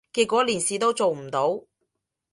結果連事都做唔到